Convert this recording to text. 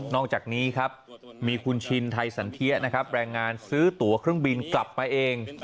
อกจากนี้ครับมีคุณชินไทยสันเทียนะครับแรงงานซื้อตัวเครื่องบินกลับมาเอง